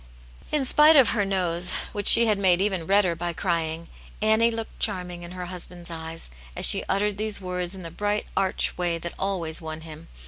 '" In spite of her nose, which she had made even redder by crying, Annie looked charming in her husband's eyes, as she uttered these words in the bright, arch way that always won him.